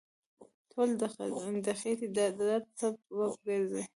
ټولې د خېټې د درد سبب ګرځي.